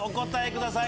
ください